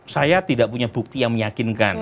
saya tidak punya bukti yang meyakinkan